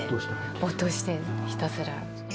没頭して、ひたすら。